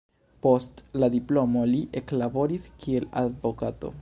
Post la diplomo li eklaboris kiel advokato.